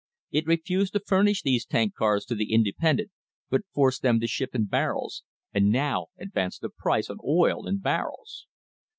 It refused to furnish these tank cars to the independents, but forced them to ship in barrels, and now advanced the price on oil in barrels.